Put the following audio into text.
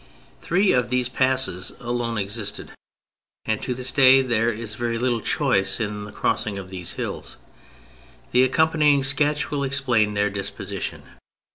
Three of these passes alone existed, and to this day there is very little choice in the crossing of these hills. The accompanying sketch will explain their disposition.